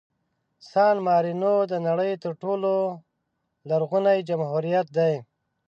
سان مارینو د نړۍ تر ټولو لرغوني جمهوریت دی.